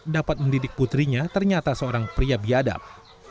dapat mendidik putrinya ternyata seorang pria biadab